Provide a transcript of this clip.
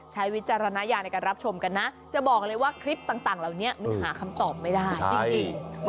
วิจารณญาในการรับชมกันนะจะบอกเลยว่าคลิปต่างเหล่านี้มันหาคำตอบไม่ได้จริง